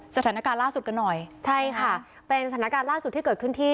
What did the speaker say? สถานการณ์ล่าสุดกันหน่อยใช่ค่ะเป็นสถานการณ์ล่าสุดที่เกิดขึ้นที่